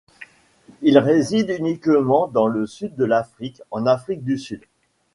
Il réside uniquement dans le sud de l'Afrique en Afrique-du-Sud.